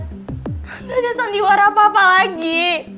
tidak hanya sandiwara apa apa lagi